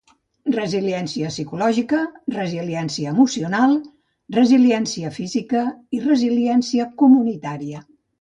Resiliència psicològica, resiliència emocional, resiliència física i resiliència comunitària